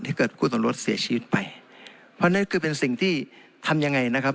เกิดคู่ต่อรถเสียชีวิตไปเพราะฉะนั้นคือเป็นสิ่งที่ทำยังไงนะครับ